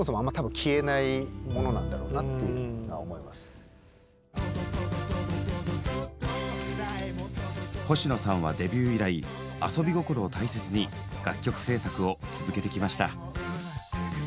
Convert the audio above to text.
何かそういう星野さんはデビュー以来「アソビゴコロ」を大切に楽曲制作を続けてきました。